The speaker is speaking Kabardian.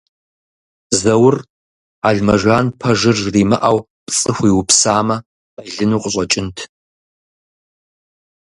Зэур Алмэжан пэжыр жримыӏэу пцӏы хуиупсамэ, къелыну къыщӏэкӏынт.